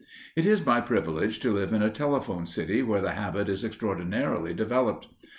It is my privilege to live in a telephone city where the habit is extraordinarily developed.